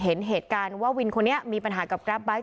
เห็นเหตุการณ์ว่าวินคนนี้มีปัญหากับกราฟไบท์